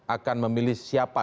akan memilih siapa